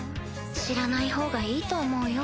知らないほうがいいと思うよ。